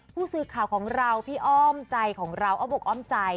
ผู้สื่อข่าวของเราพี่อ้อมใจของเราอ้อมอกอ้อมใจ